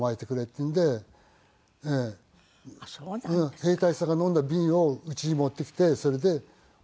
兵隊さんが飲んだ瓶をうちに持ってきてそれで巻いて作ってやってた。